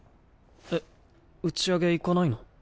えっ打ち上げ行かないの？